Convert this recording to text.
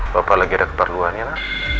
papa lagi ada keperluannya